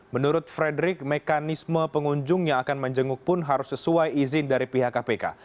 menurut frederick mekanisme pengunjung yang akan menjenguk pun harus sesuai izin dari pihak kpk